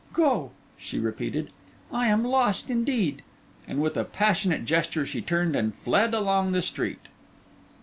Go!' she repeated. 'I am lost indeed.' And with a passionate gesture she turned and fled along the street.